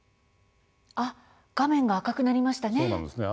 画面が赤くなりましたね。